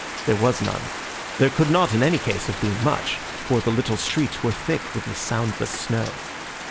There was none; there could not in any case have been much, for the little streets were thick with the soundless snow.